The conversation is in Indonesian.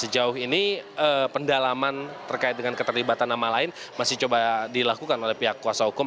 sejauh ini pendalaman terkait dengan keterlibatan nama lain masih coba dilakukan oleh pihak kuasa hukum